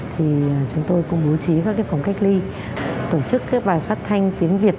thì chúng tôi cũng đối chí các phòng cách ly tổ chức các bài phát thanh tiếng việt